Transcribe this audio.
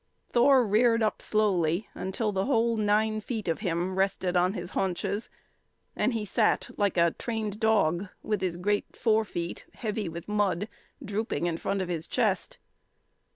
Thor reared up slowly, until the whole nine feet of him rested on his haunches, and he sat like a trained dog, with his great forefeet, heavy with mud, drooping in front of his chest.